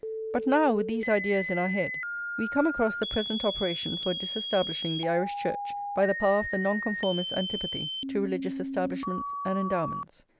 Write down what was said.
But now, with these ideas in our head, we come across the present operation for disestablishing the Irish Church by the power of the Nonconformists' antipathy to religious establishments and endowments.